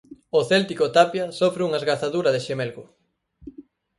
O céltico Tapia sofre unha esgazadura de xemelgo.